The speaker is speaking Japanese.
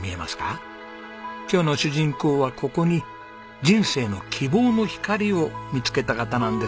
今日の主人公はここに人生の希望の光を見つけた方なんです。